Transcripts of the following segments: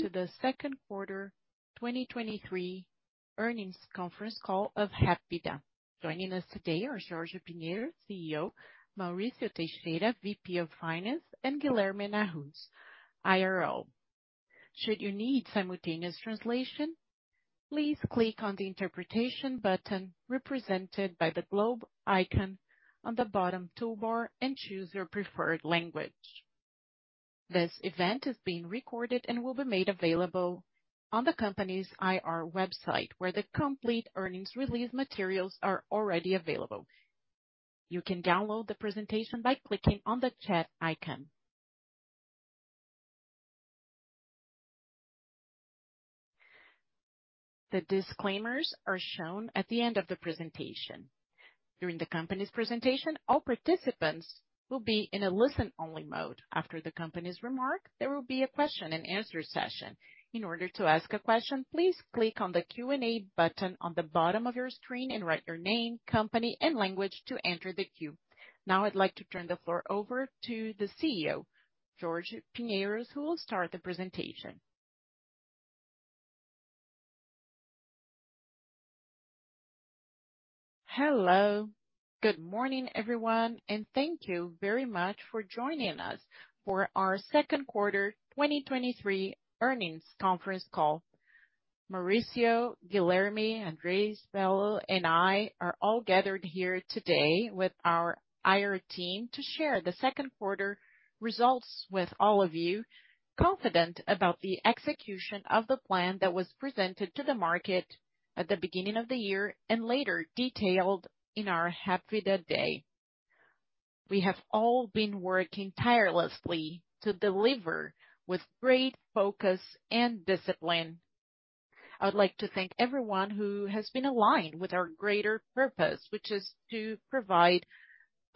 Welcome to the second quarter 2023 earnings conference call of Hapvida. Joining us today are Jorge Pinheiro, CEO, Mauricio Teixeira, VP of Finance, and Guilherme Nahuz, IRL. Should you need simultaneous translation, please click on the interpretation button represented by the globe icon on the bottom toolbar and choose your preferred language. This event is being recorded and will be made available on the company's IR website, where the complete earnings release materials are already available. You can download the presentation by clicking on the chat icon. The disclaimers are shown at the end of the presentation. During the company's presentation, all participants will be in a listen-only mode. After the company's remark, there will be a question-and-answer session. In order to ask a question, please click on the Q&A button on the bottom of your screen and write your name, company, and language to enter the queue. Now, I'd like to turn the floor over to the CEO, Jorge Pinheiro, who will start the presentation. Hello. Good morning, everyone, and thank you very much for joining us for our second quarter 2023 earnings conference call. Mauricio, Guilherme, Andre, Bello, and I are all gathered here today with our IR team to share the second quarter results with all of you, confident about the execution of the plan that was presented to the market at the beginning of the year, and later detailed in our Hapvida Day. We have all been working tirelessly to deliver with great focus and discipline. I would like to thank everyone who has been aligned with our greater purpose, which is to provide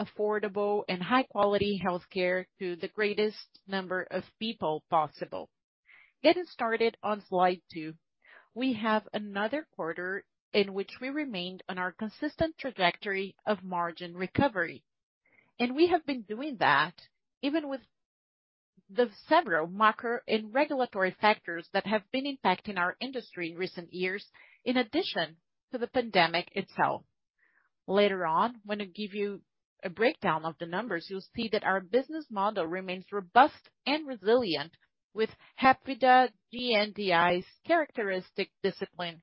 affordable and high-quality healthcare to the greatest number of people possible. Getting started on slide two, we have another quarter in which we remained on our consistent trajectory of margin recovery. We have been doing that even with the several macro and regulatory factors that have been impacting our industry in recent years, in addition to the pandemic itself. Later on, when I give you a breakdown of the numbers, you'll see that our business model remains robust and resilient, with Hapvida NDI's characteristic discipline.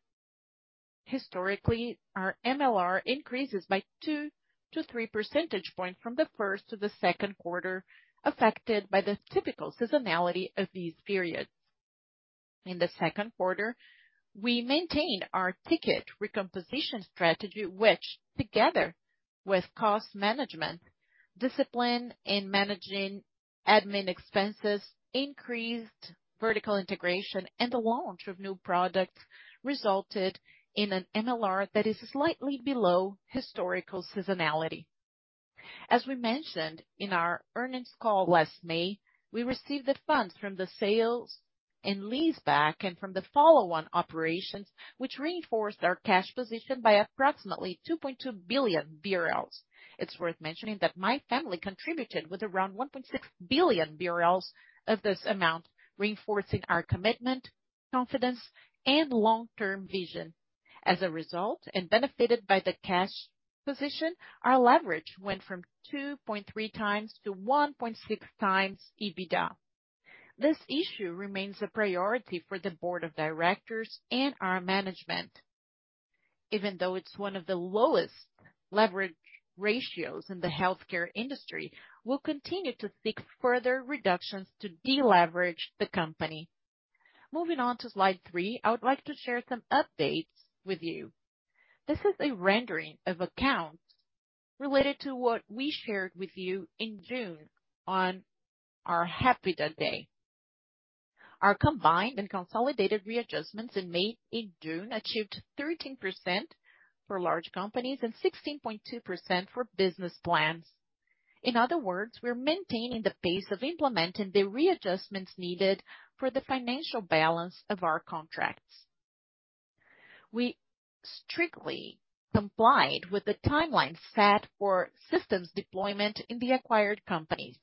Historically, our MLR increases by two to three percentage points from the first to the second quarter, affected by the typical seasonality of these periods. In the second quarter, we maintained our ticket recomposition strategy, which, together with cost management, discipline in managing admin expenses, increased vertical integration, and the launch of new products, resulted in an MLR that is slightly below historical seasonality. As we mentioned in our earnings call last May, we received the funds from the sale and leaseback and from the follow-on operations, which reinforced our cash position by approximately 2.2 billion BRL. It's worth mentioning that my family contributed with around 1.6 billion BRL of this amount, reinforcing our commitment, confidence, and long-term vision. As a result, and benefited by the cash position, our leverage went from 2.3x to 1.6x EBITDA. This issue remains a priority for the board of directors and our management. Even though it's one of the lowest leverage ratios in the healthcare industry, we'll continue to seek further reductions to deleverage the company. Moving on to slide three, I would like to share some updates with you. This is a rendering of accounts related to what we shared with you in June on our Hapvida Day. Our combined and consolidated readjustments in June achieved 13% for large companies and 16.2% for business plans. In other words, we're maintaining the pace of implementing the readjustments needed for the financial balance of our contracts. We strictly complied with the timeline set for systems deployment in the acquired companies,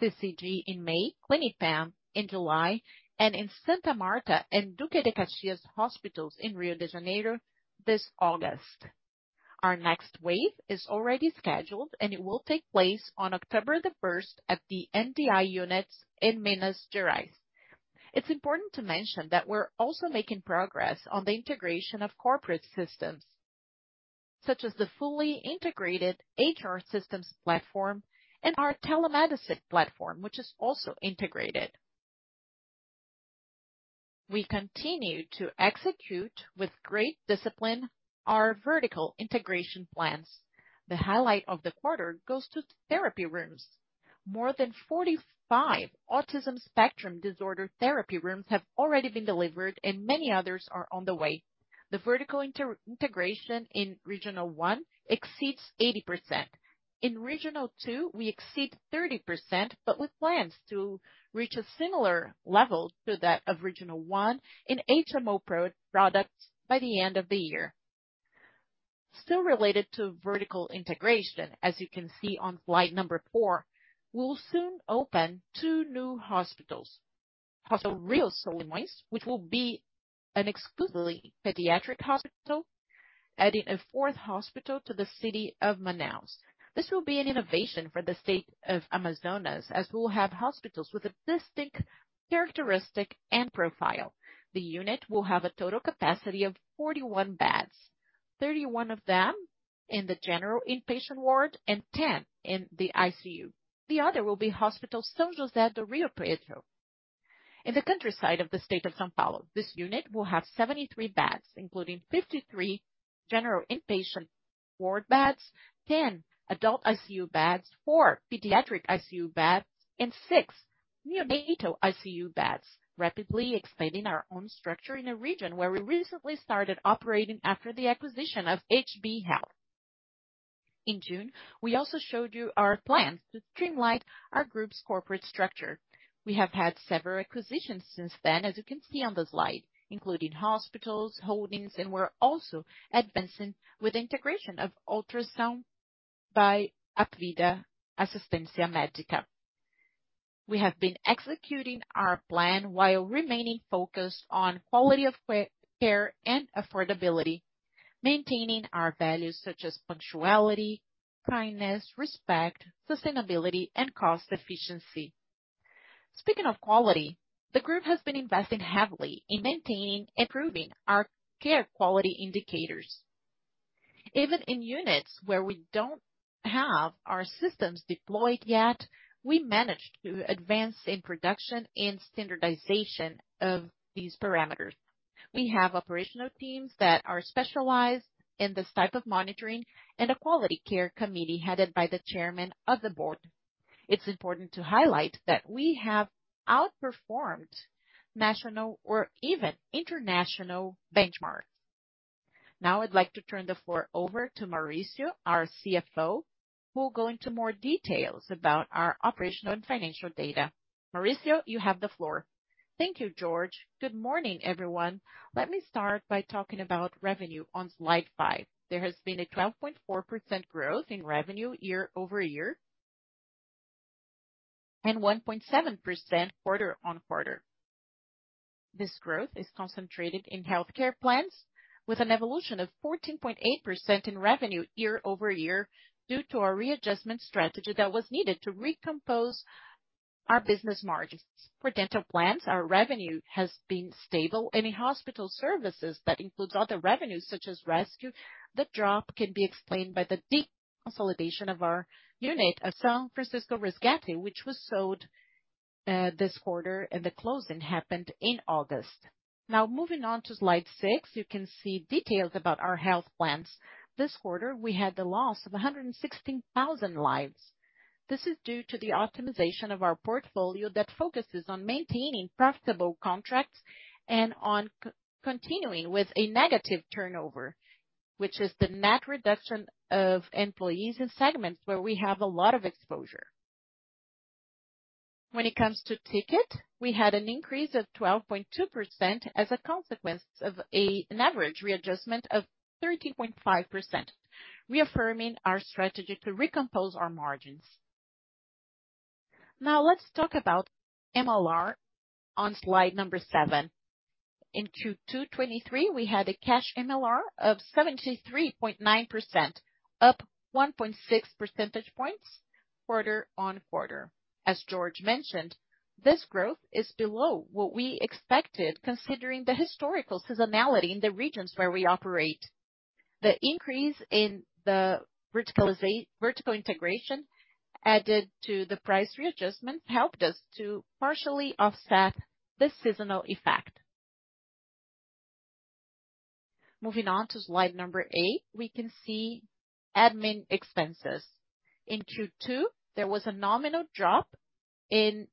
CCG in May, Clinipam in July, and in Santa Martha and Duque de Caxias hospitals in Rio de Janeiro this August. Our next wave is already scheduled, and it will take place on October 1st at the NDI units in Minas Gerais. It's important to mention that we're also making progress on the integration of corporate systems, such as the fully integrated HR systems platform and our telemedicine platform, which is also integrated. We continue to execute with great discipline our vertical integration plans. The highlight of the quarter goes to therapy rooms. More than 45 autism spectrum disorder therapy rooms have already been delivered, and many others are on the way. The vertical integration in Regional One exceeds 80%. In Regional Two, we exceed 30%, but with plans to reach a similar level to that of Regional One in HMO products by the end of the year. Still related to vertical integration, as you can see on slide four, we'll soon open two new hospitals. Hospital Rio Solimões, which will be an exclusively pediatric hospital, adding a fourth hospital to the city of Manaus. This will be an innovation for the state of Amazonas, as we'll have hospitals with a distinct characteristic and profile. The unit will have a total capacity of 41 beds, 31 of them in the general inpatient ward and 10 in the ICU. The other will be Hospital São José do Rio Preto. In the countryside of the state of São Paulo, this unit will have 73 beds, including 53 general inpatient ward beds, 10 adult ICU beds, four pediatric ICU beds, and six neonatal ICU beds, rapidly expanding our own structure in a region where we recently started operating after the acquisition of HB Saúde. In June, we also showed you our plans to streamline our group's corporate structure. We have had several acquisitions since then, as you can see on the slide, including hospitals, holdings, and we're also advancing with the integration of Ultrasound by Hapvida Assistência Médica. We have been executing our plan while remaining focused on quality of care and affordability, maintaining our values such as punctuality, kindness, respect, sustainability, and cost efficiency. Speaking of quality, the group has been investing heavily in maintaining and improving our care quality indicators. Even in units where we don't have our systems deployed yet, we managed to advance in production and standardization of these parameters. We have operational teams that are specialized in this type of monitoring, and a quality care committee, headed by the chairman of the board. It's important to highlight that we have outperformed national or even international benchmarks. Now, I'd like to turn the floor over to Mauricio, our CFO, who will go into more details about our operational and financial data. Mauricio, you have the floor. Thank you, Jorge. Good morning, everyone. Let me start by talking about revenue on slide five. There has been a 12.4% growth in revenue year-over-year, and 1.7% quarter-on-quarter. This growth is concentrated in healthcare plans, with an evolution of 14.8% in revenue year-over-year, due to our readjustment strategy that was needed to recompose our business margins. For dental plans, our revenue has been stable, and in hospital services, that includes other revenues such as rescue, the drop can be explained by the deconsolidation of our unit, São Francisco Resgate, which was sold this quarter, and the closing happened in August. Moving on to slide six, you can see details about our health plans. This quarter, we had a loss of 116,000 lives. This is due to the optimization of our portfolio that focuses on maintaining profitable contracts and on continuing with a negative turnover, which is the net reduction of employees in segments where we have a lot of exposure. When it comes to ticket, we had an increase of 12.2% as a consequence of an average readjustment of 13.5%, reaffirming our strategy to recompose our margins. Let's talk about MLR on slide number seven. In Q2 '23, we had a cash MLR of 73.9%, up 1.6 percentage points quarter-on-quarter. As Jorge mentioned, this growth is below what we expected, considering the historical seasonality in the regions where we operate. The increase in the vertical integration, added to the price readjustment, helped us to partially offset this seasonal effect. Moving on to slide number eight, we can see admin expenses. In Q2, there was a nominal drop in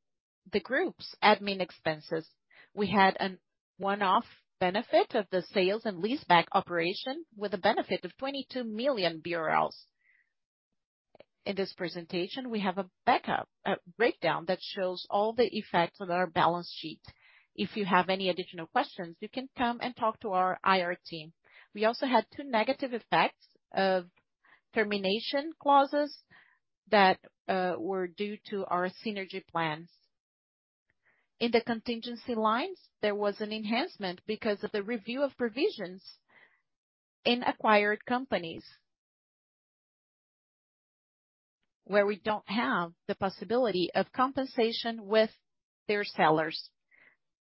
the group's admin expenses. We had an one-off benefit of the sale and leaseback operation, with a benefit of 22 million BRL. In this presentation, we have a backup breakdown that shows all the effects on our balance sheet. If you have any additional questions, you can come and talk to our IR team. We also had two negative effects of termination clauses that were due to our synergy plans. In the contingency lines, there was an enhancement because of the review of provisions in acquired companies, where we don't have the possibility of compensation with their sellers.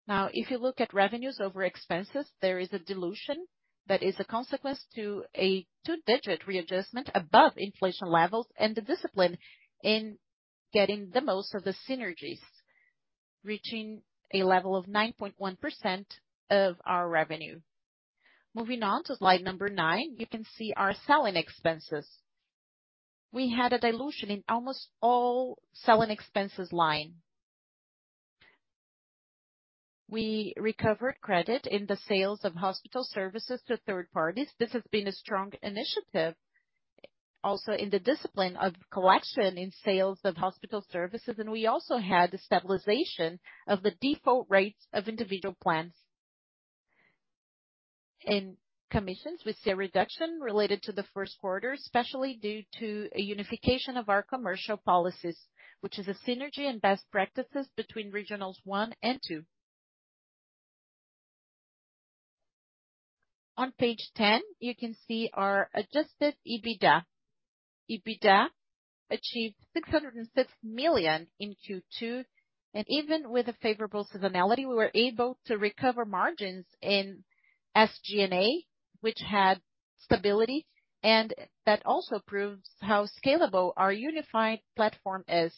Now, if you look at revenues over expenses, there is a dilution that is a consequence to a two-digit readjustment above inflation levels and the discipline in getting the most of the synergies, reaching a level of 9.1% of our revenue. Moving on to slide number nine, you can see our selling expenses. We had a dilution in almost all selling expenses line. We recovered credit in the sales of hospital services to third parties. This has been a strong initiative. Also in the discipline of collection in sales of hospital services, we also had a stabilization of the default rates of individual plans. In commissions, we see a reduction related to the first quarter, especially due to a unification of our commercial policies, which is a synergy and best practices between Regional One and Regional Two. On page 10, you can see our adjusted EBITDA. EBITDA achieved 606 million in Q2, and even with a favorable seasonality, we were able to recover margins in SG&A, which had stability, and that also proves how scalable our unified platform is.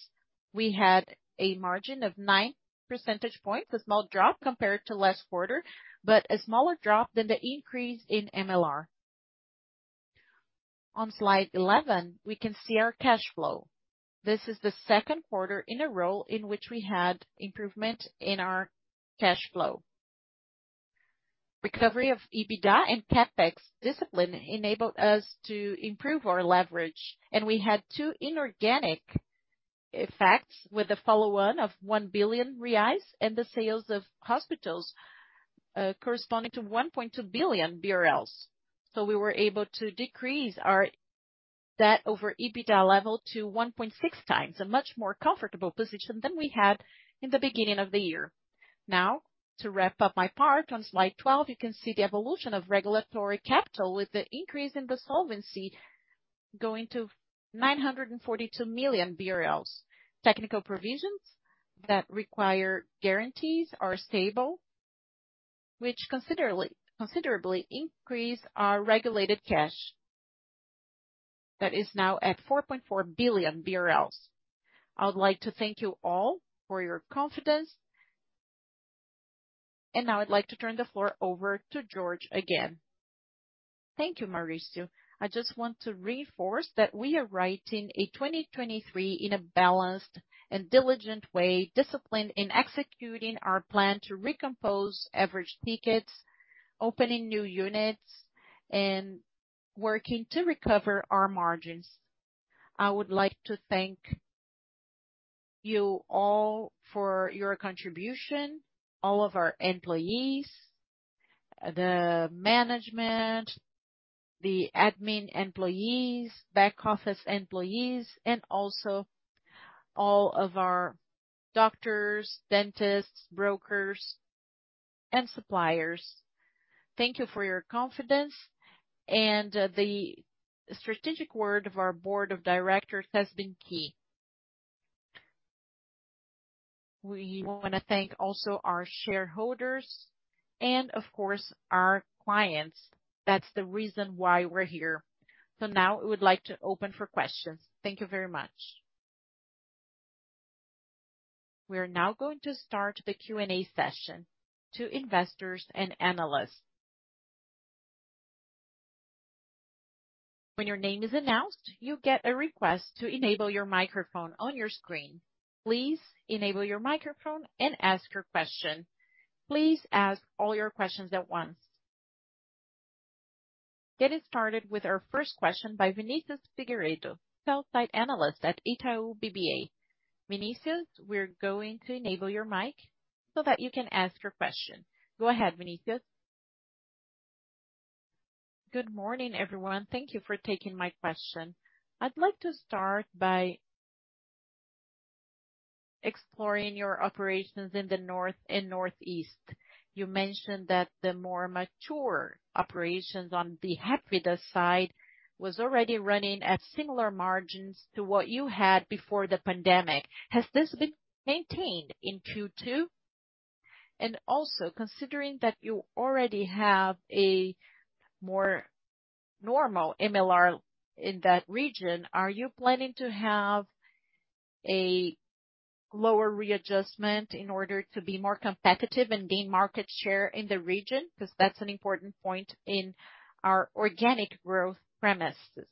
We had a margin of 9 percentage points, a small drop compared to last quarter, but a smaller drop than the increase in MLR. On slide 11, we can see our cash flow. This is the second quarter in a row in which we had improvement in our cash flow. Recovery of EBITDA and CapEx discipline enabled us to improve our leverage, and we had 2 inorganic effects with the follow-on of 1 billion reais and the sales of hospitals, corresponding to 1.2 billion BRL. We were able to decrease our debt over EBITDA level to 1.6x, a much more comfortable position than we had in the beginning of the year. Now, to wrap up my part, on slide 12, you can see the evolution of regulatory capital, with the increase in the solvency going to 942 million BRL. Technical provisions that require guarantees are stable, which considerably increase our regulated cash, that is now at 4.4 billion BRL. I would like to thank you all for your confidence. Now I'd like to turn the floor over to Jorge again. Thank you, Mauricio. I just want to reinforce that we are writing a 2023 in a balanced and diligent way, disciplined in executing our plan to recompose average tickets, opening new units, and working to recover our margins. I would like to thank you all for your contribution, all of our employees, the management, the admin employees, back office employees, and also all of our doctors, dentists, brokers, and suppliers. Thank you for your confidence, and the strategic word of our board of directors has been key. We wanna thank also our shareholders and, of course, our clients. That's the reason why we're here. Now we would like to open for questions. Thank you very much. We are now going to start the Q&A session to investors and analysts. When your name is announced, you get a request to enable your microphone on your screen. Please enable your microphone and ask your question. Please ask all your questions at once. Getting started with our first question by Vinicius Figueiredo, sell-side analyst at Itaú BBA. Vinicius, we're going to enable your mic so that you can ask your question. Go ahead, Vinicius. Good morning, everyone. Thank you for taking my question. I'd like to start by exploring your operations in the North and Northeast. You mentioned that the more mature operations on the Hapvida side was already running at similar margins to what you had before the pandemic. Has this been maintained in Q2? Also, considering that you already have a more normal MLR in that region, are you planning to have a lower readjustment in order to be more competitive and gain market share in the region? That's an important point in our organic growth premises.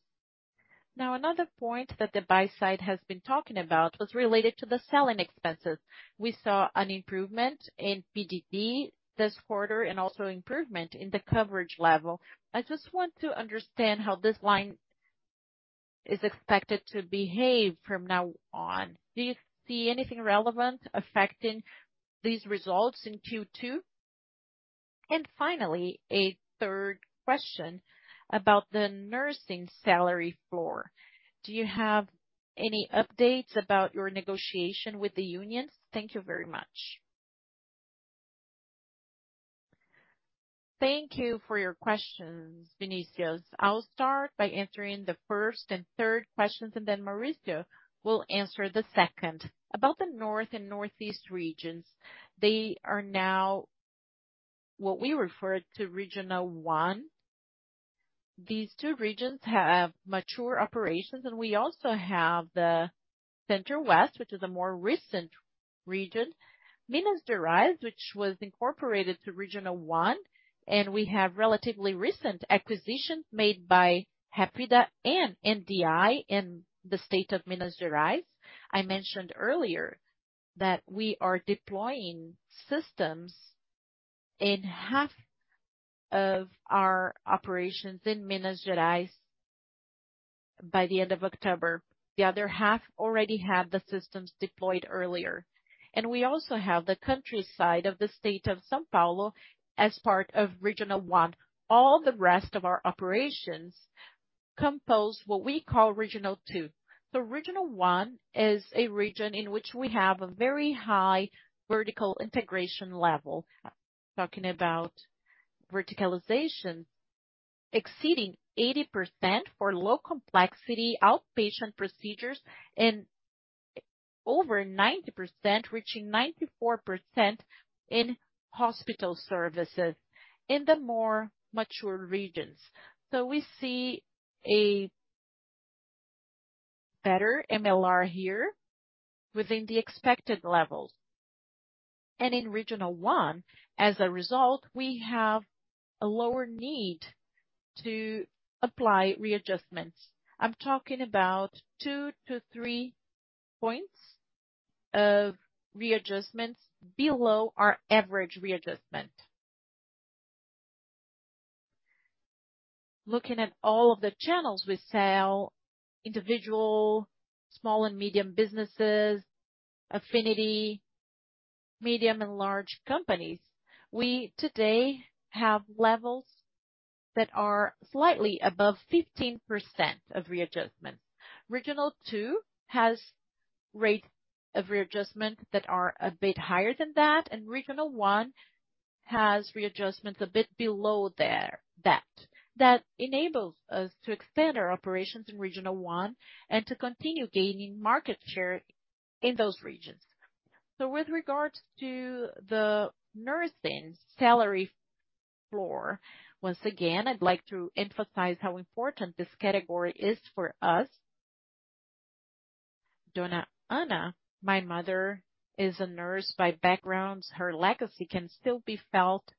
Another point that the buy side has been talking about was related to the selling expenses. We saw an improvement in PDD this quarter and also improvement in the coverage level. I just want to understand how this line is expected to behave from now on. Do you see anything relevant affecting these results in Q2? Finally, a third question about the nursing salary floor. Do you have any updates about your negotiation with the unions? Thank you very much. Thank you for your questions, Vinicius. I'll start by answering the first and third questions, and then Mauricio will answer the second. About the North and Northeast regions, they are now what we refer to Regional One. These two regions have mature operations, and we also have the Center West, which is a more recent region, Minas Gerais, which was incorporated to Regional One, and we have relatively recent acquisitions made by Hapvida and NDI in the state of Minas Gerais. I mentioned earlier that we are deploying systems... In half of our operations in Minas Gerais, by the end of October, the other half already had the systems deployed earlier. We also have the countryside of the state of São Paulo as part of Regional One. All the rest of our operations compose what we call Regional Two. Regional One is a region in which we have a very high vertical integration level. Talking about verticalization, exceeding 80% for low complexity outpatient procedures, and over 90%, reaching 94% in hospital services in the more mature regions. We see a better MLR here within the expected levels. In Regional One, as a result, we have a lower need to apply readjustments. I'm talking about two to three points of readjustments below our average readjustment. Looking at all of the channels, we sell individual, small and medium businesses, affinity, medium and large companies. We today have levels that are slightly above 15% of readjustment. Regional Two has rates of readjustment that are a bit higher than that, and Regional One has readjustments a bit below there. That enables us to expand our operations in Regional One and to continue gaining market share in those regions. With regards to the nursing salary floor, once again, I'd like to emphasize how important this category is for us. Donna Anna, my mother, is a nurse by background. Her legacy can still be felt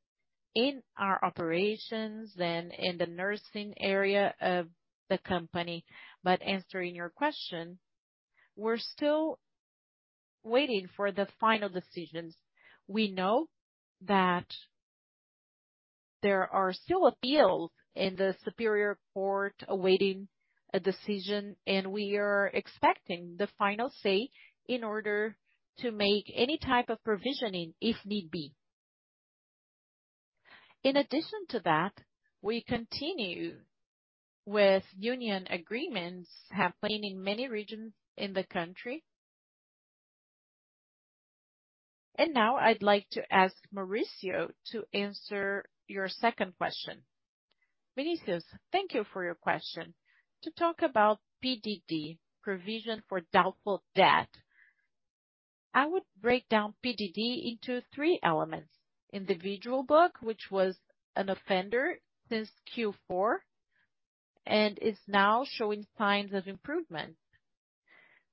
in our operations and in the nursing area of the company. Answering your question, we're still waiting for the final decisions. We know that there are still appeals in the Superior Court awaiting a decision, and we are expecting the final say in order to make any type of provisioning, if need be. In addition to that, we continue with union agreements happening in many regions in the country. Now I'd like to ask Mauricio to answer your second question. Mauricio. Thank you for your question. To talk about PDD, Provision for Doubtful Debt, I would break down PDD into three elements: individual book, which was an offender since Q4 and is now showing signs of improvement.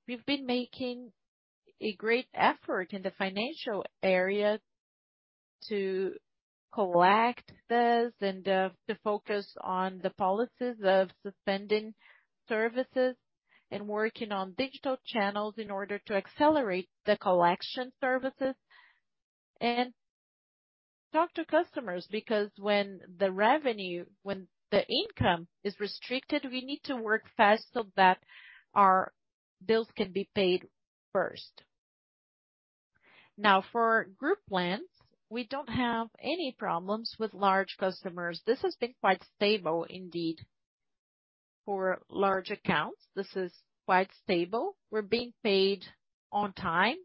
We've been making a great effort in the financial area to collect this and to focus on the policies of suspending services and working on digital channels in order to accelerate the collection services and talk to customers, because when the income is restricted, we need to work fast so that our bills can be paid first. Now, for group plans, we don't have any problems with large customers. This has been quite stable indeed. For large accounts, this is quite stable. We're being paid on time,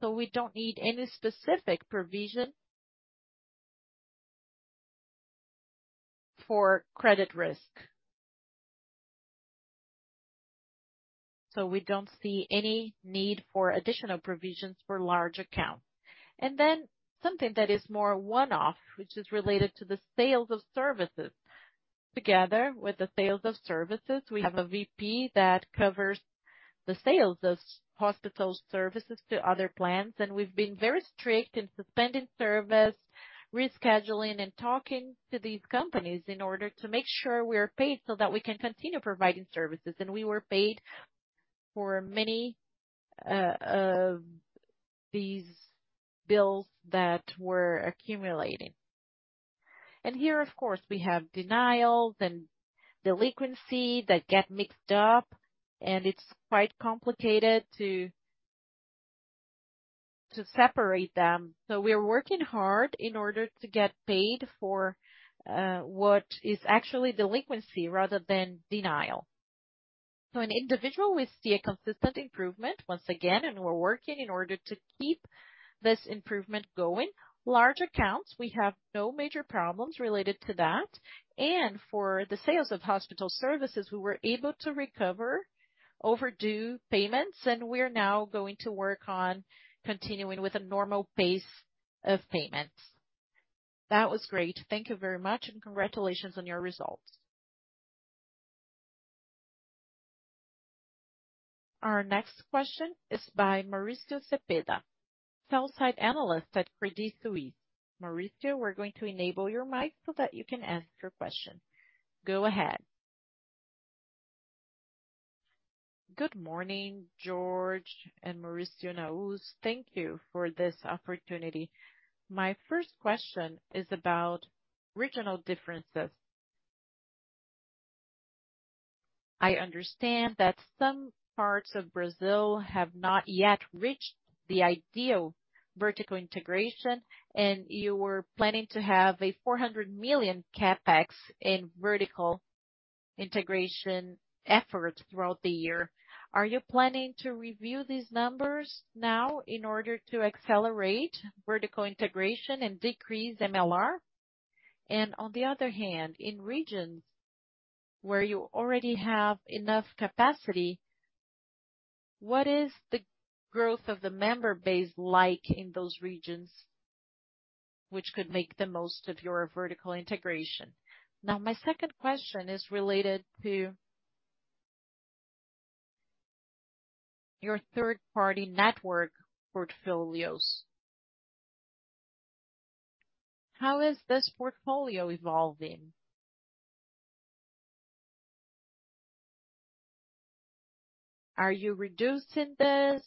so we don't need any specific provision for credit risk. We don't see any need for additional provisions for large accounts. Then something that is more one-off, which is related to the sales of services. Together with the sales of services, we have a VP that covers the sales of hospital services to other plans, and we've been very strict in suspending service, rescheduling and talking to these companies in order to make sure we are paid, so that we can continue providing services. We were paid for many, these bills that were accumulating. Here, of course, we have denials and delinquency that get mixed up, and it's quite complicated to separate them. We are working hard in order to get paid for, what is actually delinquency rather than denial. In individual, we see a consistent improvement once again, and we're working in order to keep this improvement going. Large accounts, we have no major problems related to that. For the sales of hospital services, we were able to recover overdue payments, and we are now going to work on continuing with a normal pace of payments. That was great. Thank you very much, and congratulations on your results. Our next question is by Mauricio Cepeda, sell-side analyst at Credit Suisse. Mauricio, we're going to enable your mic so that you can ask your question. Go ahead. Good morning, Jorge, Maurício, and Nahuz. Thank you for this opportunity. My first question is about regional differences. I understand that some parts of Brazil have not yet reached the ideal vertical integration, and you were planning to have a 400 million CapEx in vertical integration efforts throughout the year. Are you planning to review these numbers now in order to accelerate vertical integration and decrease MLR? On the other hand, in regions where you already have enough capacity, what is the growth of the member base like in those regions, which could make the most of your vertical integration? My second question is related to your third-party network portfolios. How is this portfolio evolving? Are you reducing this?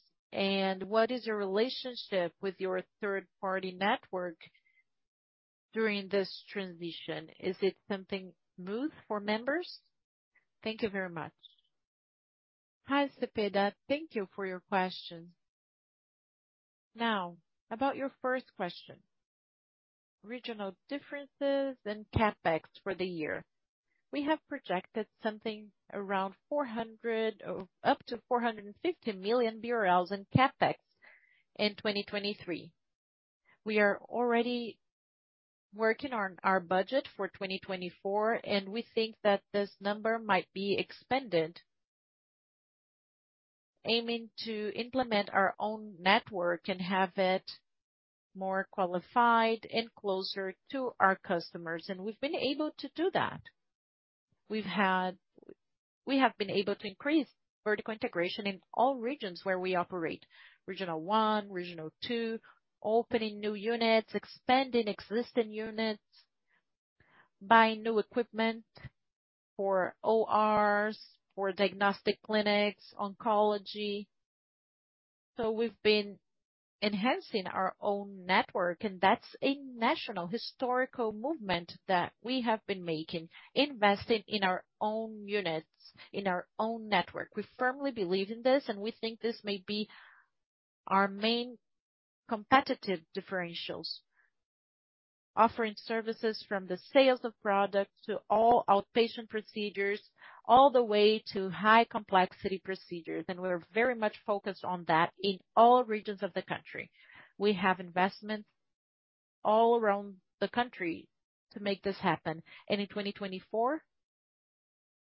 What is your relationship with your third-party network during this transition? Is it something smooth for members? Thank you very much. Hi, Cepeda. Thank you for your question. About your first question, regional differences and CapEx for the year. We have projected something around 400-450 million BRL in CapEx in 2023. We are already working on our budget for 2024, we think that this number might be expanded, aiming to implement our own network and have it more qualified and closer to our customers, and we've been able to do that. We have been able to increase vertical integration in all regions where we operate. Regional One, Regional Two, opening new units, expanding existing units, buying new equipment for ORs, for diagnostic clinics, oncology. We've been enhancing our own network, and that's a national historical movement that we have been making, investing in our own units, in our own network. We firmly believe in this, and we think this may be our main competitive differentials. Offering services from the sales of products to all outpatient procedures, all the way to high complexity procedures, we're very much focused on that in all regions of the country. We have investments all around the country to make this happen, in 2024,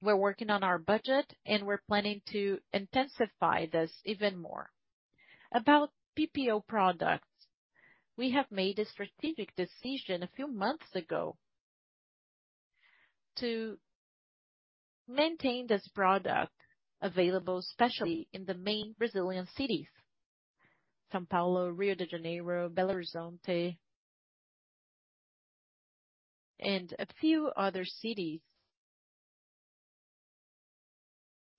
we're working on our budget, and we're planning to intensify this even more. About PPO products, we have made a strategic decision a few months ago to maintain this product available, especially in the main Brazilian cities, São Paulo, Rio de Janeiro, Belo Horizonte, and a few other cities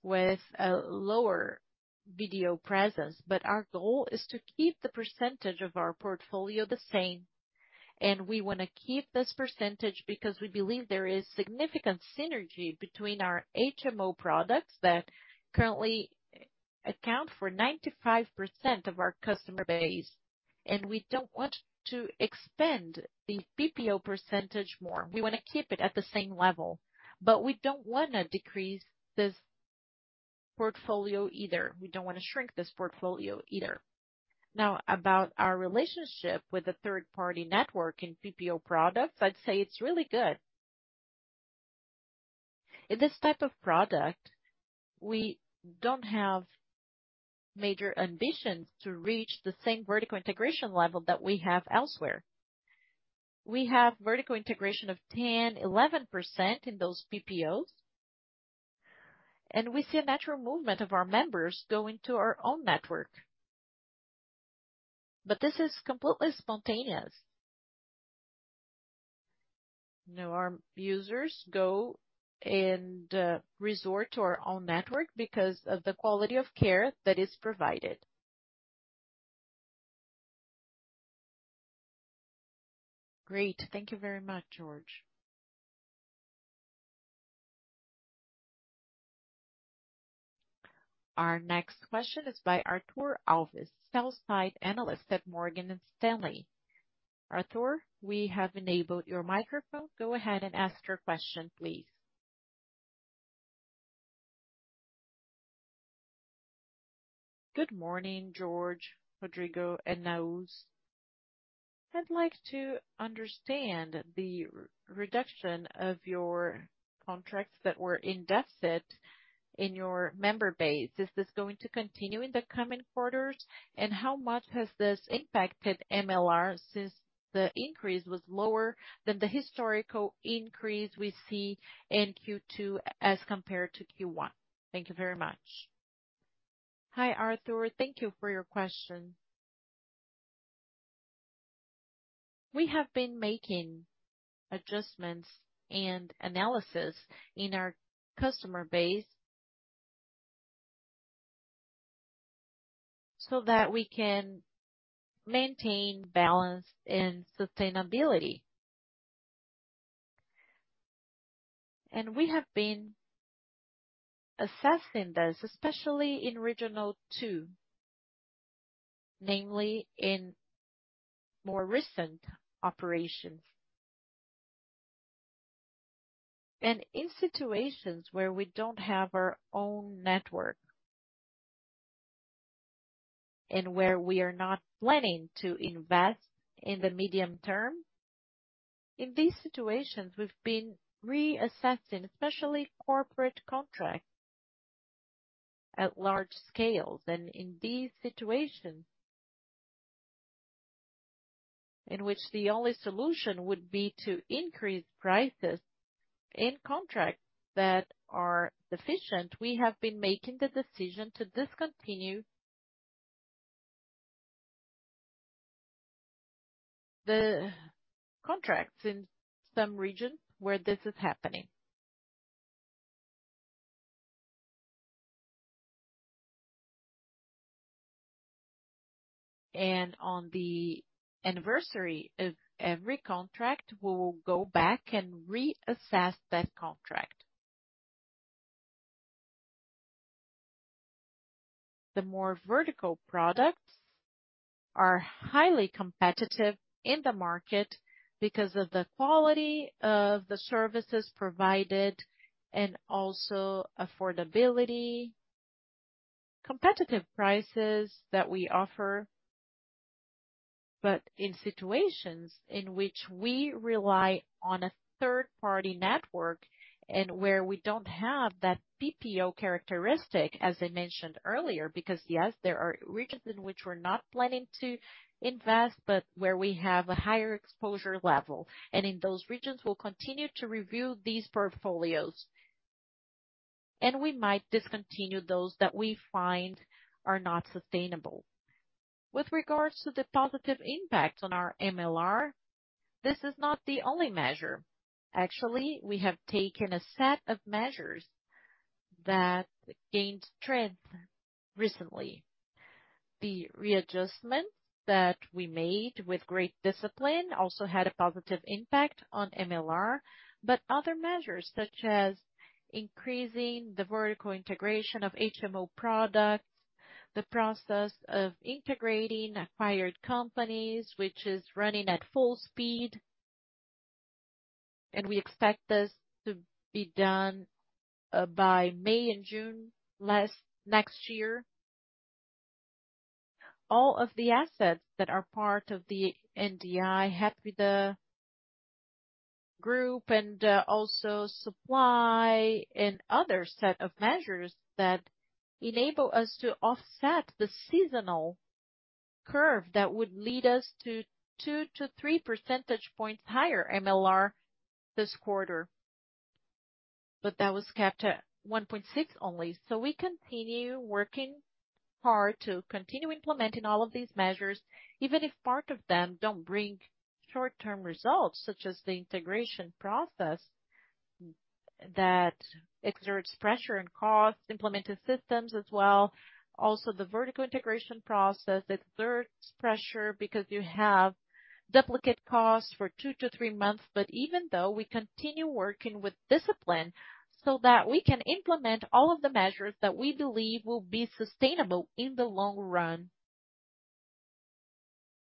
with a lower video presence. Our goal is to keep the percentage of our portfolio the same, we wanna keep this percentage because we believe there is significant synergy between our HMO products that currently account for 95% of our customer base, we don't want to expand the PPO percentage more. We wanna keep it at the same level, but we don't wanna decrease this portfolio either. We don't wanna shrink this portfolio either. Now, about our relationship with the third-party network in PPO products, I'd say it's really good. In this type of product, we don't have major ambitions to reach the same vertical integration level that we have elsewhere. We have vertical integration of 10%, 11% in those PPOs, and we see a natural movement of our members going to our own network. This is completely spontaneous. Now, our users go and resort to our own network because of the quality of care that is provided. Great. Thank you very much, Jorge. Our next question is by Artur Alves, sell-side analyst at Morgan Stanley. Artur, we have enabled your microphone. Go ahead and ask your question, please. Good morning, Jorge, Rodrigo, and Nahuz. I'd like to understand the reduction of your contracts that were in deficit in your member base. Is this going to continue in the coming quarters? How much has this impacted MLR since the increase was lower than the historical increase we see in Q2 as compared to Q1? Thank you very much. Hi, Arthur. Thank you for your question. We have been making adjustments and analysis in our customer base. That we can maintain balance and sustainability. We have been assessing this, especially in Regional Two, namely in more recent operations. In situations where we don't have our own network, and where we are not planning to invest in the medium term, in these situations, we've been reassessing, especially corporate contracts at large scales, and in these situations, in which the only solution would be to increase prices in contracts that are deficient, we have been making the decision to discontinue the contracts in some regions where this is happening. On the anniversary of every contract, we will go back and reassess that contract. The more vertical products are highly competitive in the market because of the quality of the services provided and also affordability, competitive prices that we offer. In situations in which we rely on a third-party network and where we don't have that PPO characteristic, as I mentioned earlier, because, yes, there are regions in which we're not planning to invest, but where we have a higher exposure level, and in those regions, we'll continue to review these portfolios, and we might discontinue those that we find are not sustainable. With regards to the positive impact on our MLR, this is not the only measure. Actually, we have taken a set of measures that gained strength recently. The readjustment that we made with great discipline also had a positive impact on MLR, but other measures, such as increasing the vertical integration of HMO products, the process of integrating acquired companies, which is running at full speed, and we expect this to be done by May and June next year. All of the assets that are part of the NDI, help with the group and also supply and other set of measures that enable us to offset the seasonal curve that would lead us to two-three percentage points higher MLR this quarter, but that was kept at 1.6 only. We continue working hard to continue implementing all of these measures, even if part of them don't bring short-term results, such as the integration process, that exerts pressure and cost, implemented systems as well. Also, the vertical integration process exerts pressure because you have duplicate costs for two-three months. Even though, we continue working with discipline so that we can implement all of the measures that we believe will be sustainable in the long run.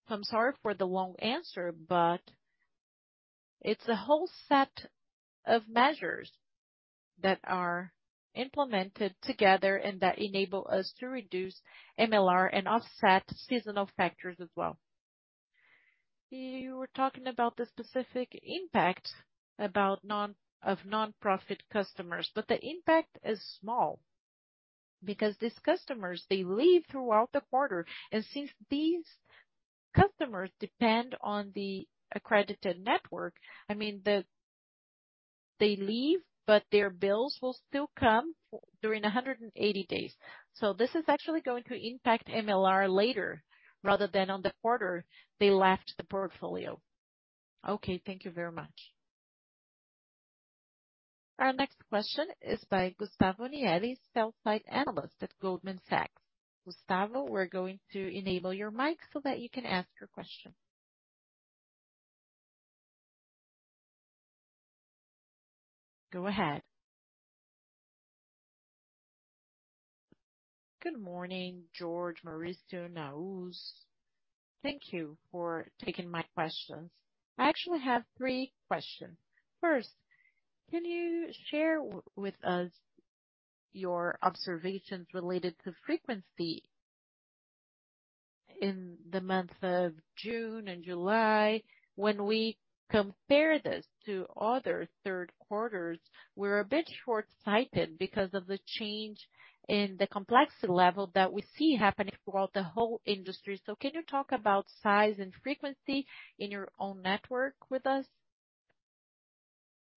I'm sorry for the long answer, but it's a whole set of measures that are implemented together and that enable us to reduce MLR and offset seasonal factors as well. You were talking about the specific impact about of nonprofit customers, but the impact is small because these customers, they leave throughout the quarter, and since these customers depend on the accredited network, I mean, the They leave, but their bills will still come during 180 days. This is actually going to impact MLR later rather than on the quarter they left the portfolio. Okay, thank you very much. Our next question is by Gustavo Nieves, sell-side analyst at Goldman Sachs. Gustavo, we're going to enable your mic so that you can ask your question. Go ahead. Good morning, Jorge, Mauricio, Nahuz. Thank you for taking my questions. I actually have three questions. First, can you share with us your observations related to frequency in the months of June and July? When we compare this to other third quarters, we're a bit short-sighted because of the change in the complexity level that we see happening throughout the whole industry. Can you talk about size and frequency in your own network with us?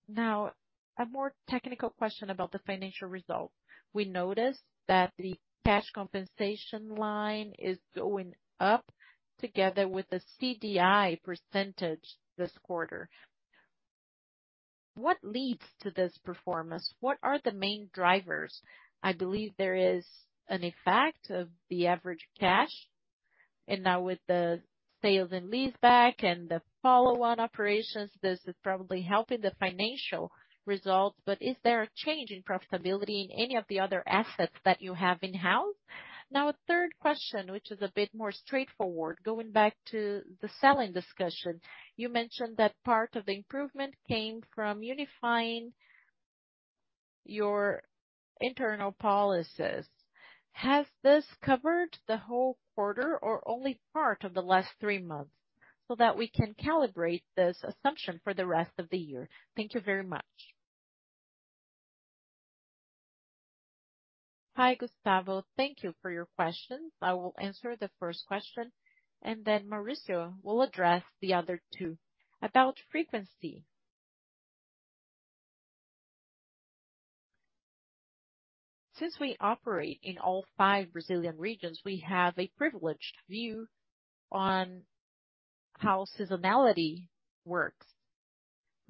Now, a more technical question about the financial result. We noticed that the cash compensation line is going up together with the CDI % this quarter. What leads to this performance? What are the main drivers? I believe there is an effect of the average cash, now with the sale and leaseback and the follow-on operations, this is probably helping the financial results. Is there a change in profitability in any of the other assets that you have in-house? Now, a third question, which is a bit more straightforward. Going back to the selling discussion, you mentioned that part of the improvement came from unifying your internal policies. Has this covered the whole quarter or only part of the last three months, so that we can calibrate this assumption for the rest of the year? Thank you very much. Hi, Gustavo. Thank you for your questions. I will answer the first question, and then Maurício will address the other two. About frequency. Since we operate in all five Brazilian regions, we have a privileged view on how seasonality works,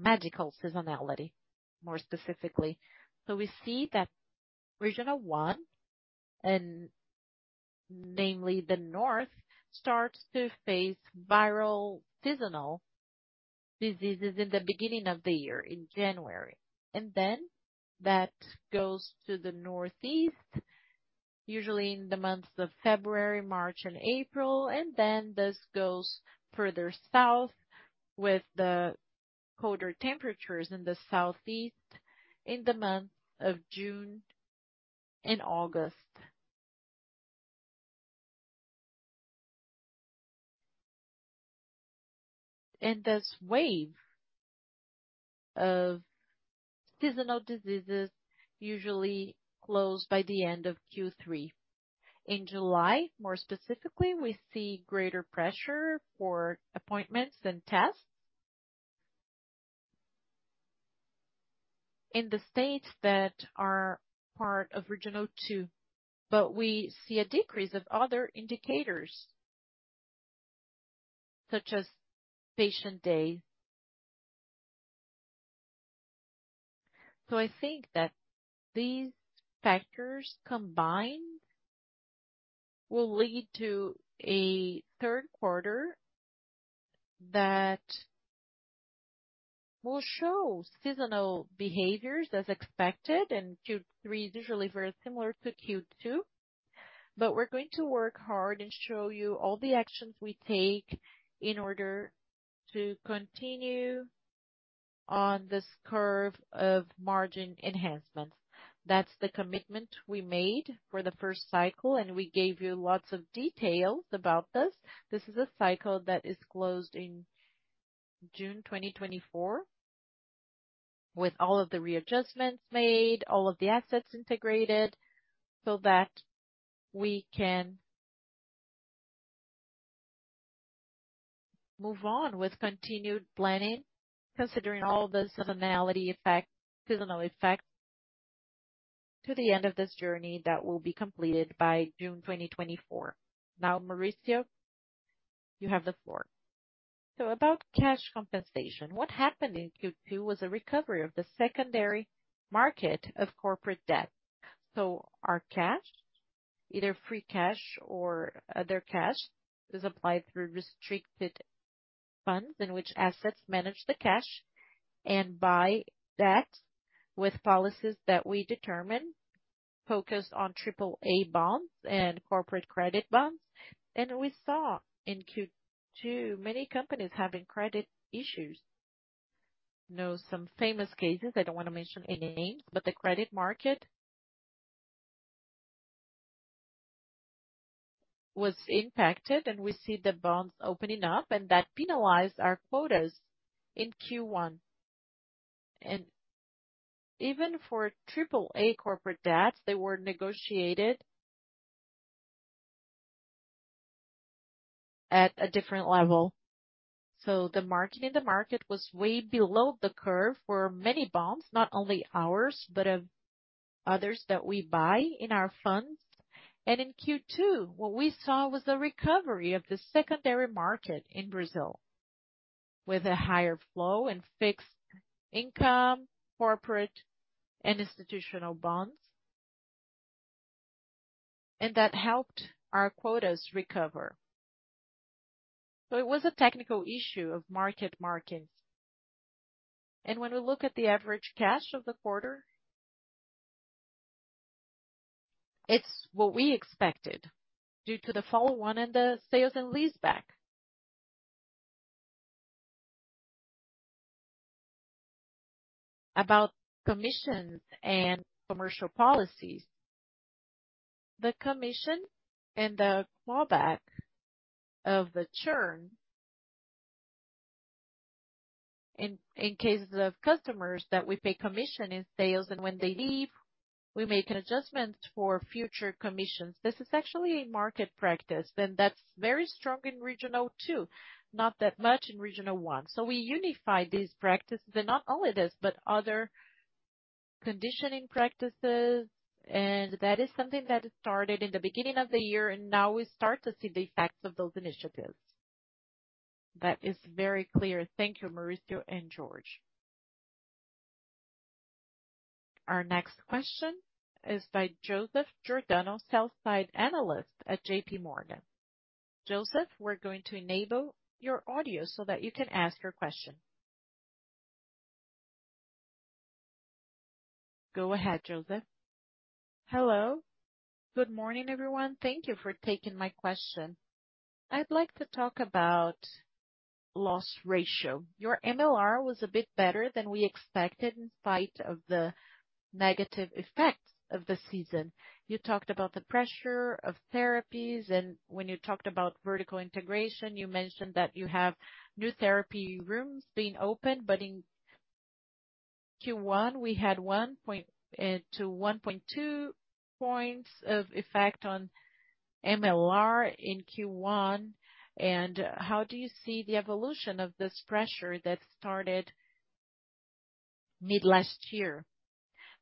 magical seasonality, more specifically. We see that Regional One, and namely the North, starts to face viral seasonal diseases in the beginning of the year, in January, and then that goes to the Northeast, usually in the months of February, March and April, and then this goes further south with the colder temperatures in the Southeast in the months of June and August. This wave of seasonal diseases usually close by the end of Q3. In July, more specifically, we see greater pressure for appointments and tests, in the states that are part of Regional Two, but we see a decrease of other indicators, such as patient day. I think that these factors combined will lead to a third quarter that will show seasonal behaviors as expected, and Q3 is usually very similar to Q2. We're going to work hard and show you all the actions we take in order to continue on this curve of margin enhancement. That's the commitment we made for the first cycle, we gave you lots of details about this. This is a cycle that is closed in June 2024, with all of the readjustments made, all of the assets integrated, so that we can move on with continued planning, considering all the seasonality effect, seasonal effect, to the end of this journey that will be completed by June 2024. Mauricio, you have the floor. About cash compensation. What happened in Q2 was a recovery of the secondary market of corporate debt. Our cash, either free cash or other cash, is applied through restricted funds in which assets manage the cash and buy that with policies that we determine, focused on AAA bonds and corporate credit bonds. We saw in Q2, many companies having credit issues. Know some famous cases, I don't want to mention any names, but the credit market was impacted, and we see the bonds opening up, and that penalized our quotas in Q1. Even for AAA corporate debts, they were negotiated at a different level. The market, in the market was way below the curve for many bonds, not only ours, but of others that we buy in our funds. In Q2, what we saw was the recovery of the secondary market in Brazil, with a higher flow in fixed income, corporate and institutional bonds. That helped our quotas recover. It was a technical issue of market markings. When we look at the average cash of the quarter, it's what we expected due to the follow-on and the sale and leaseback. About commissions and commercial policies. The commission and the callback of the churn in cases of customers that we pay commission in sales and when they leave. We make an adjustment for future commissions. This is actually a market practice, and that's very strong in Regional Two, not that much in Regional One. We unify these practices, and not only this, but other conditioning practices, and that is something that started in the beginning of the year, and now we start to see the effects of those initiatives. That is very clear. Thank you, Mauricio and Jorge. Our next question is by Joseph Giordano, sell-side analyst at JPMorgan. Joseph, we're going to enable your audio so that you can ask your question. Go ahead, Joseph. Hello. Good morning, everyone. Thank you for taking my question. I'd like to talk about loss ratio. Your MLR was a bit better than we expected, in spite of the negative effects of the season. You talked about the pressure of therapies, when you talked about vertical integration, you mentioned that you have new therapy rooms being opened. In Q1, we had 1.0 to 1.2 points of effect on MLR in Q1. How do you see the evolution of this pressure that started mid last year?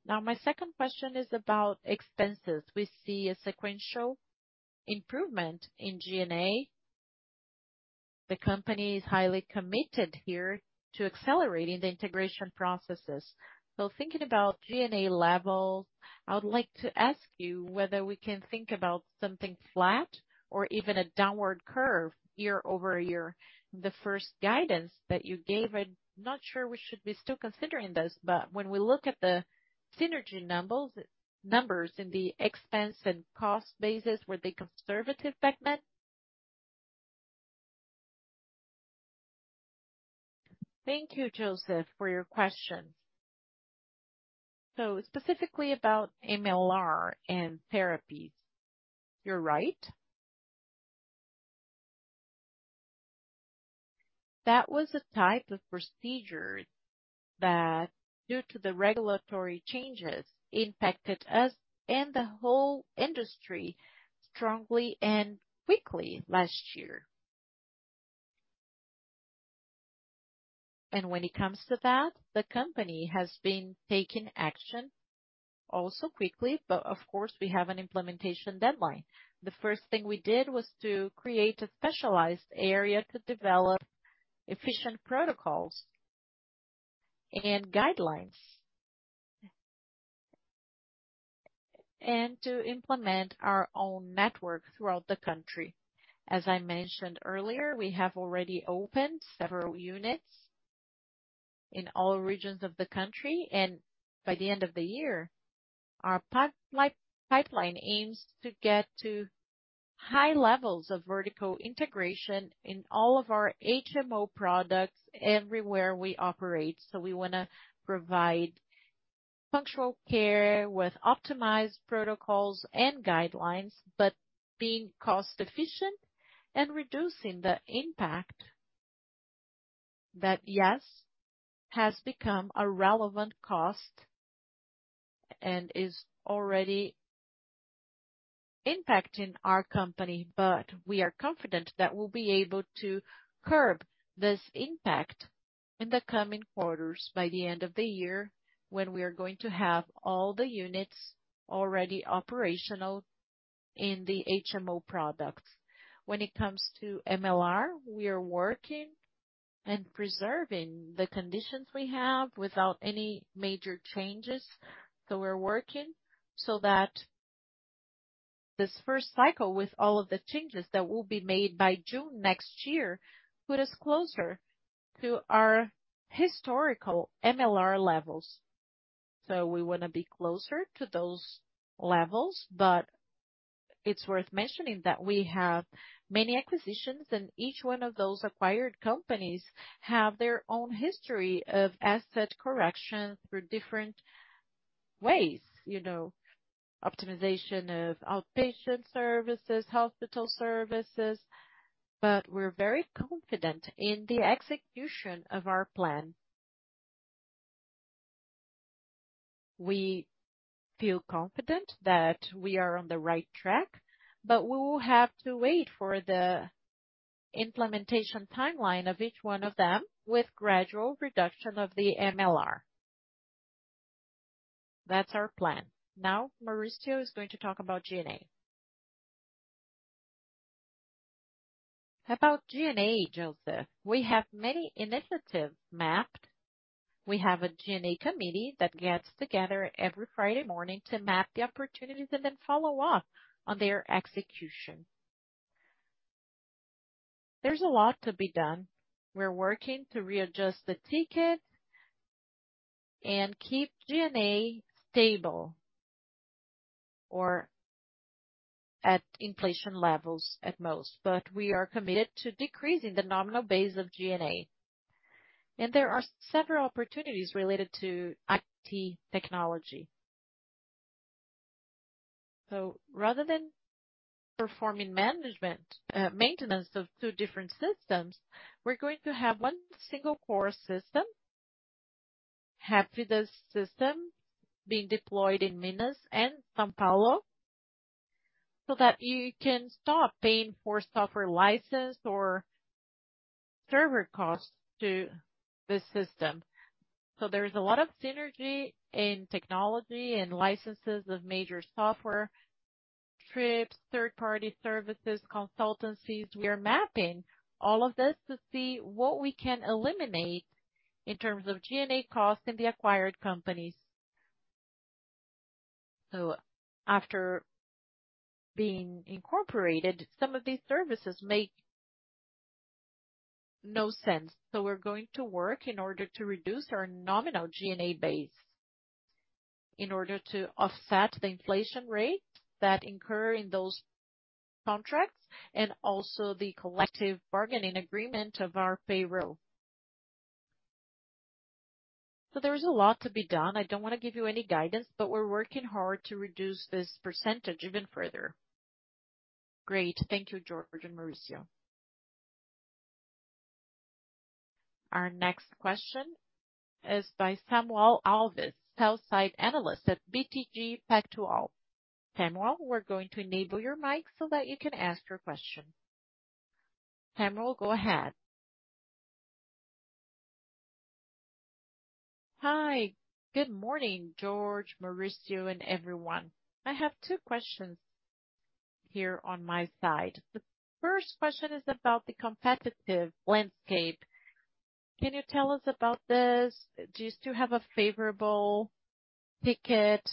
Now, my second question is about expenses. We see a sequential improvement in G&A. The company is highly committed here to accelerating the integration processes. Thinking about G&A level, I would like to ask you whether we can think about something flat or even a downward curve year-over-year. The first guidance that you gave, I'm not sure we should be still considering this, but when we look at the synergy numbers, numbers in the expense and cost basis, were they conservative, benchmark? Thank you, Joseph, for your question. Specifically about MLR and therapies, you're right. That was a type of procedure that, due to the regulatory changes, impacted us and the whole industry strongly and quickly last year. When it comes to that, the company has been taking action also quickly, but of course, we have an implementation deadline. The first thing we did was to create a specialized area to develop efficient protocols and guidelines, and to implement our own network throughout the country. As I mentioned earlier, we have already opened several units in all regions of the country. By the end of the year, our pipeline aims to get to high levels of vertical integration in all of our HMO products everywhere we operate. We want to provide functional care with optimized protocols and guidelines, being cost efficient and reducing the impact that, yes, has become a relevant cost and is already impacting our company. We are confident that we'll be able to curb this impact in the coming quarters, by the end of the year, when we are going to have all the units already operational in the HMO products. When it comes to MLR, we are working and preserving the conditions we have without any major changes. We're working so that this first cycle, with all of the changes that will be made by June next year, put us closer to our historical MLR levels. We wanna be closer to those levels, but it's worth mentioning that we have many acquisitions, and each one of those acquired companies have their own history of asset correction through different ways, you know, optimization of outpatient services, hospital services, but we're very confident in the execution of our plan. We feel confident that we are on the right track, but we will have to wait for the implementation timeline of each one of them with gradual reduction of the MLR. That's our plan. Now, Mauricio is going to talk about G&A. About G&A, Joseph, we have many initiatives mapped. We have a G&A committee that gets together every Friday morning to map the opportunities and then follow up on their execution. There's a lot to be done. We're working to readjust the ticket and keep G&A stable or at inflation levels at most, but we are committed to decreasing the nominal base of G&A. There are several opportunities related to IT technology. Rather than performing management, maintenance of two different systems, we're going to have one single core system, half of the system being deployed in Minas and São Paulo, so that you can stop paying for software license or server costs to the system. There's a lot of synergy in technology and licenses of major software, trips, third-party services, consultancies. We are mapping all of this to see what we can eliminate in terms of G&A costs in the acquired companies. After being incorporated, some of these services make no sense. We're going to work in order to reduce our nominal G&A base, in order to offset the inflation rate that incur in those contracts and also the collective bargaining agreement of our payroll. There is a lot to be done. I don't wanna give you any guidance, but we're working hard to reduce this percentage even further. Great. Thank you, Jorge and Mauricio. Our next question is by Samuel Alves, sell-side analyst at BTG Pactual. Samuel, we're going to enable your mic so that you can ask your question. Samuel, go ahead. Hi. Good morning, Jorge, Mauricio, and everyone. I have two questions here on my side. The first question is about the competitive landscape. Can you tell us about this? Do you still have a favorable ticket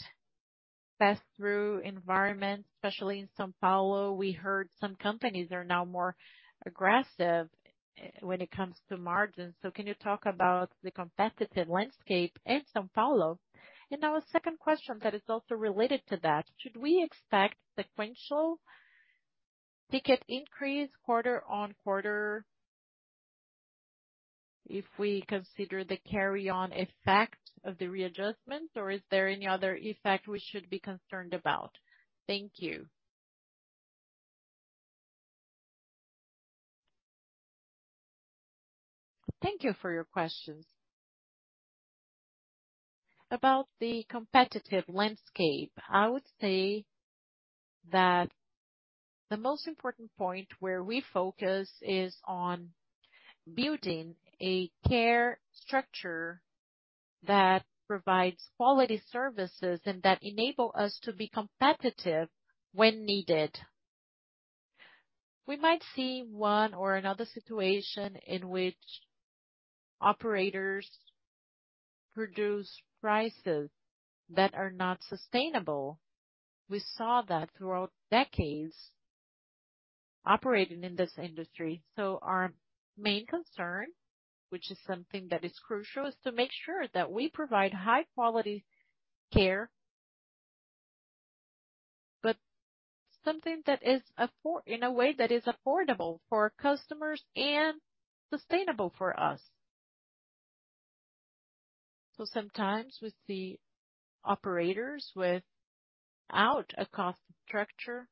pass-through environment, especially in São Paulo? We heard some companies are now more aggressive when it comes to margins. Can you talk about the competitive landscape in São Paulo? Now a second question that is also related to that: Should we expect sequential ticket increase quarter on quarter if we consider the carry-on effect of the readjustment, or is there any other effect we should be concerned about? Thank you. Thank you for your questions. About the competitive landscape, I would say that the most important point where we focus is on building a care structure that provides quality services and that enable us to be competitive when needed. We might see one or another situation in which operators produce prices that are not sustainable. We saw that throughout decades operating in this industry. Our main concern, which is something that is crucial, is to make sure that we provide high quality care, but something that is in a way that is affordable for our customers and sustainable for us. Sometimes with the operators, without a cost structure.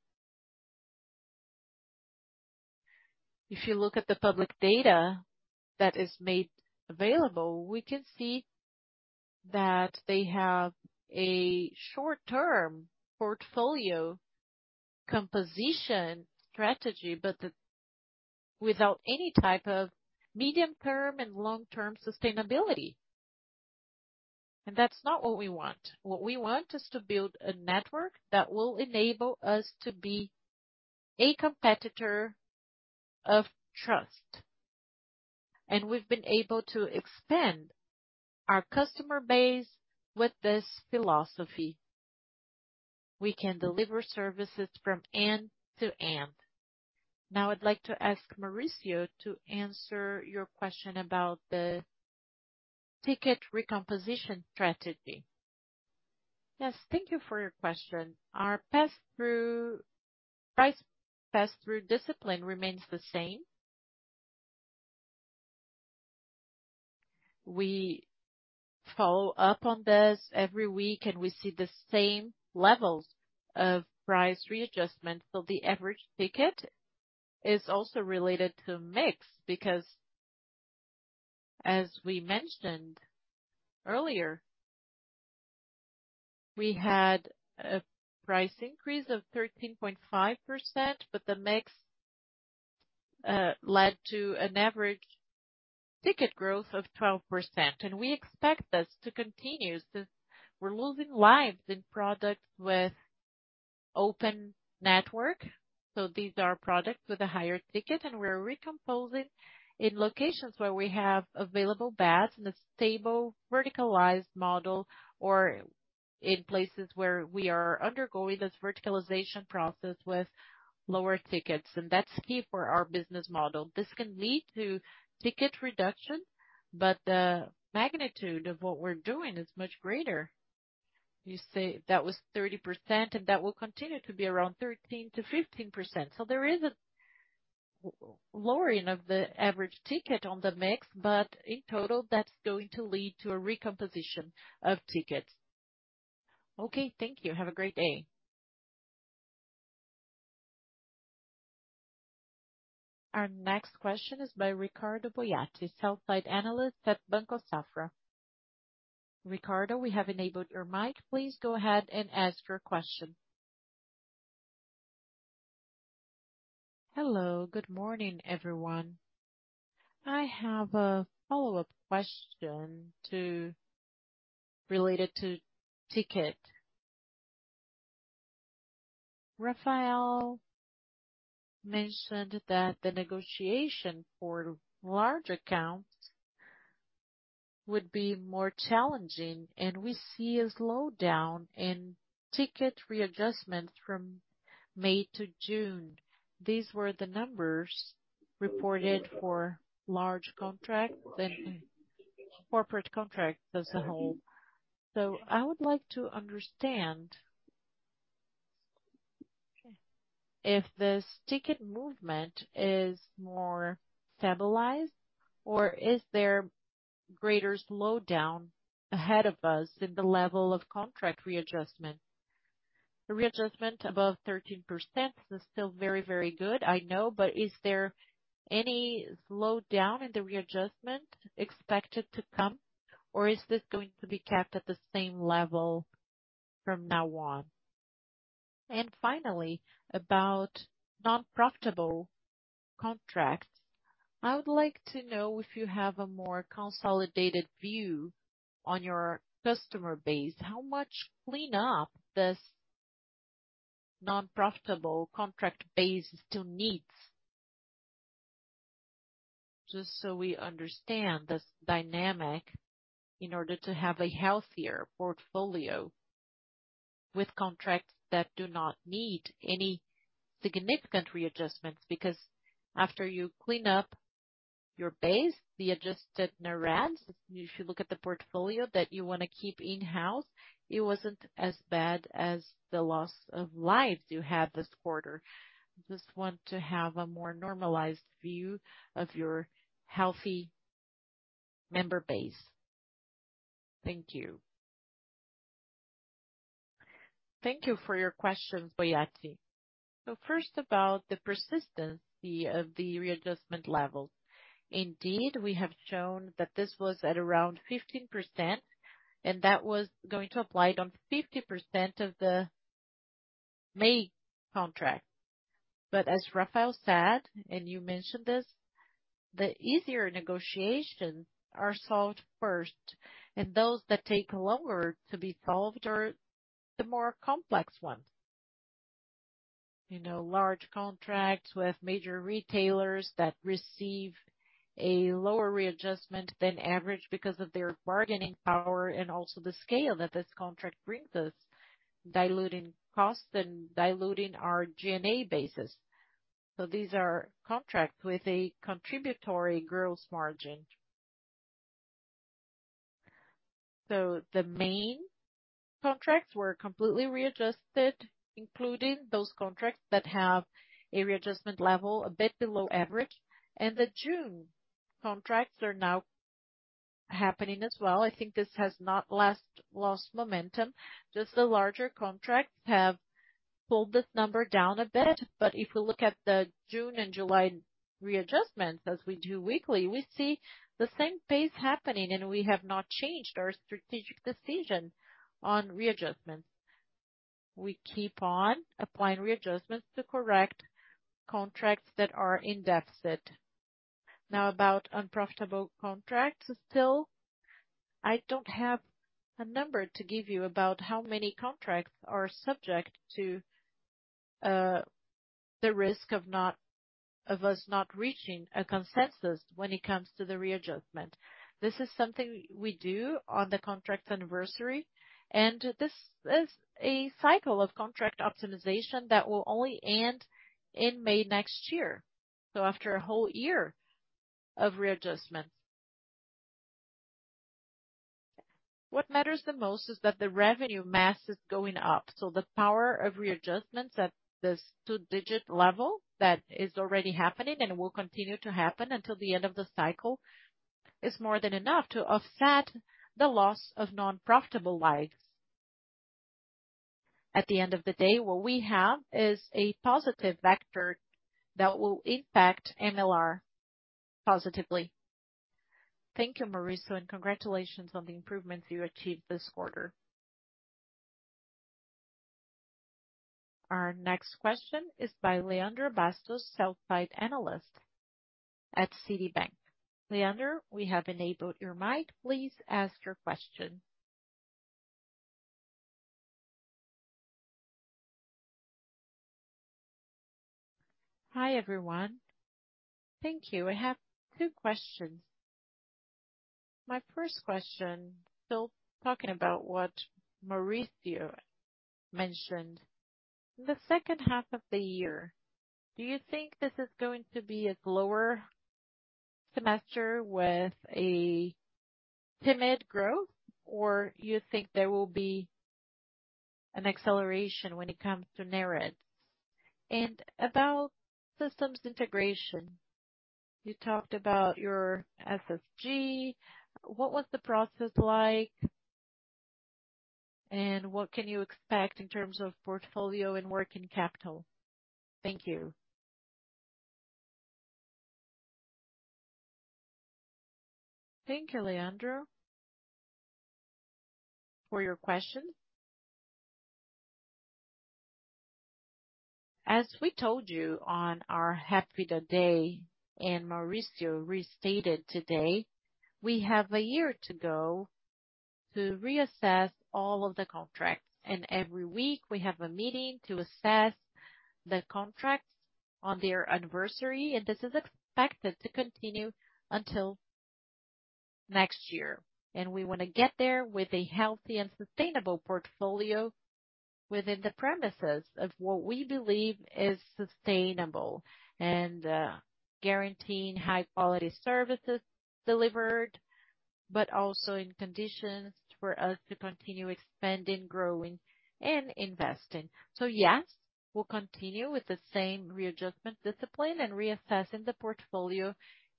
If you look at the public data that is made available, we can see that they have a short-term portfolio composition strategy, without any type of medium-term and long-term sustainability, and that's not what we want. What we want is to build a network that will enable us to be a competitor of trust, and we've been able to expand our customer base with this philosophy. We can deliver services from end to end. Now, I'd like to ask Mauricio to answer your question about the ticket recomposition strategy. Yes, thank you for your question. Our pass-through, price pass-through discipline remains the same. We follow up on this every week, and we see the same levels of price readjustment. The average ticket is also related to mix, because as we mentioned earlier, we had a price increase of 13.5%, but the mix, led to an average ticket growth of 12%, and we expect this to continue since we're losing lives in products with open network. These are products with a higher ticket, and we're recomposing in locations where we have available beds in a stable verticalized model, or in places where we are undergoing this verticalization process with lower tickets, and that's key for our business model. This can lead to ticket reduction, but the magnitude of what we're doing is much greater. You say that was 30%, that will continue to be around 13%-15%. There is a lowering of the average ticket on the mix, but in total, that's going to lead to a recomposition of tickets. Okay, thank you. Have a great day. Our next question is by Ricardo Boiati, sell-side analyst at Banco Safra. Ricardo, we have enabled your mic. Please go ahead and ask your question. Hello, good morning, everyone. I have a follow-up question related to ticket. Rafael mentioned that the negotiation for large accounts would be more challenging, and we see a slowdown in ticket readjustments from May to June. These were the numbers reported for large contracts and corporate contracts as a whole. I would like to understand, if this ticket movement is more stabilized, or is there greater slowdown ahead of us in the level of contract readjustment? The readjustment above 13% is still very, very good, I know, but is there any slowdown in the readjustment expected to come, or is this going to be kept at the same level from now on? Finally, about non-profitable contracts, I would like to know if you have a more consolidated view on your customer base, how much cleanup this non-profitable contract base still needs. Just so we understand this dynamic, in order to have a healthier portfolio with contracts that do not need any significant readjustments, because after you clean up your base, the adjusted NARADs, if you look at the portfolio that you wanna keep in-house, it wasn't as bad as the loss of lives you had this quarter. Just want to have a more normalized view of your healthy member base. Thank you. Thank you for your question, Boiati. First, about the persistency of the readjustment level. Indeed, we have shown that this was at around 15%, and that was going to apply on 50% of the May contract. As Rafael said, and you mentioned this, the easier negotiations are solved first, and those that take longer to be solved are the more complex ones. You know, large contracts with major retailers that receive a lower readjustment than average because of their bargaining power and also the scale that this contract brings us, diluting costs and diluting our G&A basis. These are contracts with a contributory gross margin. The main contracts were completely readjusted, including those contracts that have a readjustment level a bit below average, and the June contracts are now happening as well. I think this has not lost momentum. Just the larger contracts have pulled this number down a bit. If we look at the June and July readjustments, as we do weekly, we see the same pace happening, and we have not changed our strategic decision on readjustments. We keep on applying readjustments to correct contracts that are in deficit. About unprofitable contracts, still, I don't have a number to give you about how many contracts are subject to the risk of us not reaching a consensus when it comes to the readjustment. This is something we do on the contract anniversary, and this is a cycle of contract optimization that will only end in May next year, so after a whole year of readjustments. What matters the most is that the revenue mass is going up, so the power of readjustments at this two-digit level, that is already happening and will continue to happen until the end of the cycle, is more than enough to offset the loss of non-profitable lives. At the end of the day, what we have is a positive vector that will impact MLR positively. Thank you, Mauricio, and congratulations on the improvements you achieved this quarter. Our next question is by Leandro Bastos, sell-side analyst at Citibank. Leandro, we have enabled your mic. Please ask your question. Hi, everyone. Thank you. I have two questions. My first question, still talking about what Mauricio mentioned. The second half of the year, do you think this is going to be a slower semester with a timid growth, or you think there will be an acceleration when it comes to net adds. About systems integration, you talked about your SSG. What was the process like, and what can you expect in terms of portfolio and working capital? Thank you. Thank you, Leandro, for your question. As we told you on our Hapvida Day, and Mauricio restated today, we have a year to go to reassess all of the contracts, and every week we have a meeting to assess the contracts on their anniversary, and this is expected to continue until next year. We want to get there with a healthy and sustainable portfolio within the premises of what we believe is sustainable and guaranteeing high quality services delivered, but also in conditions for us to continue expanding, growing and investing. Yes, we'll continue with the same readjustment discipline and reassessing the portfolio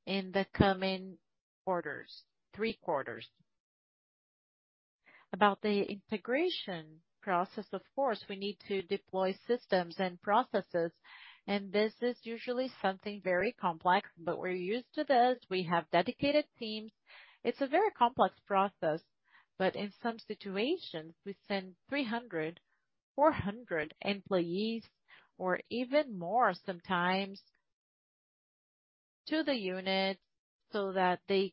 in the coming quarters, three quarters. About the integration process, of course, we need to deploy systems and processes, and this is usually something very complex, but we're used to this. We have dedicated teams. It's a very complex process, but in some situations we send 300, 400 employees, or even more sometimes, to the unit so that they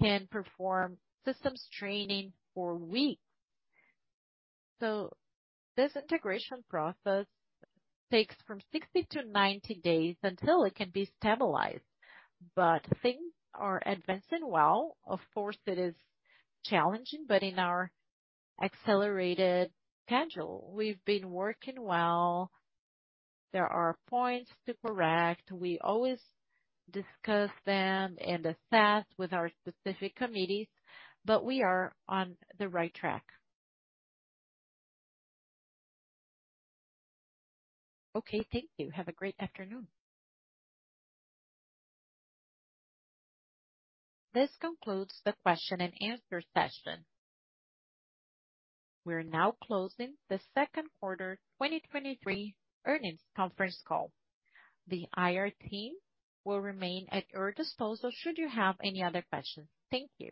can perform systems training for weeks. This integration process takes from 60 to 90 days until it can be stabilized. Things are advancing well. Of course, it is challenging, but in our accelerated schedule, we've been working well. There are points to correct. We always discuss them and assess with our specific committees, but we are on the right track. Okay, thank you. Have a great afternoon. This concludes the question and answer session. We are now closing the second quarter 2023 earnings conference call. The IR team will remain at your disposal should you have any other questions. Thank you.